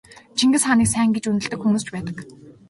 Чингис хааныг сайн гэж үнэлдэг хүмүүс ч байдаг.